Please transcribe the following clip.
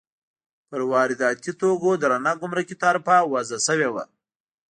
پر وارداتي توکو درنه ګمرکي تعرفه وضع شوې وه.